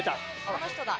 あの人だ。